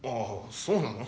そうなの？